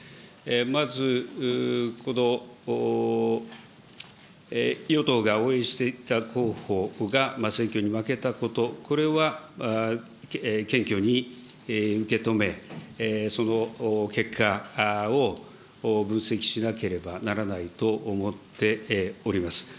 まず、この与党が応援していた候補が選挙に負けたこと、これは謙虚に受け止め、その結果を分析しなければならないと思っております。